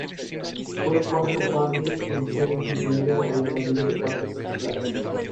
Fue el cuarto parque en ser incluido en la familia de parques Six Flags.